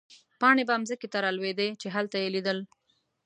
پاڼې به مځکې ته رالوېدې، چې هلته يې لیدل.